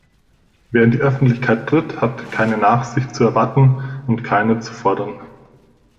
Wer in die Öffentlichkeit tritt, hat keine Nachsicht zu erwarten und keine zu fordern.